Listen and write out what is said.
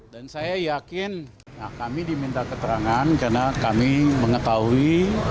dan saya yakin kami diminta keterangan karena kami mengetahui